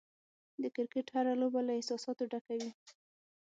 د کرکټ هره لوبه له احساساتو ډکه وي.